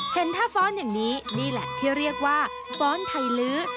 เห็นถ้าฟ้อนอย่างนี้นี่แหละที่เรียกว่าฟ้อนไทยลื้อ